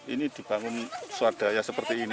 ini dibangun swadaya seperti ini